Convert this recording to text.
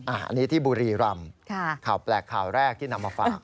อันนี้ที่บุรีรำข่าวแปลกข่าวแรกที่นำมาฝาก